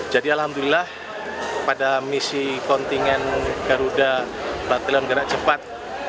jadi alhamdulillah pada misi kontingen garuda batalion gerak cepat